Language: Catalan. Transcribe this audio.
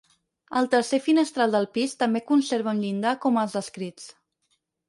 El tercer finestral del pis també conserva un llindar com els descrits.